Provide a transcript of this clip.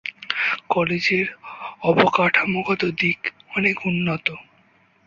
কলেজের অবকাঠামোগত দিক অনেক উন্নত।